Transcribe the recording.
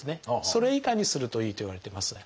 それ以下にするといいといわれてます。